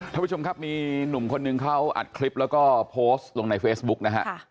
ท่านผู้ชมครับมีหนุ่มคนนึงเขาอัดคลิปแล้วก็โพสต์ลงในเฟซบุ๊กนะฮะ